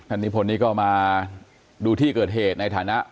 อันนี้พลนี่ก็มาดูที่เกิดเหตุในฐานะ